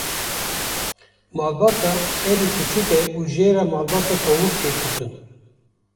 Malbata herî biçûk e û jê re malbata tovik tê gotin.